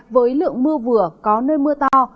với lượng mưa vừa có nơi mưa to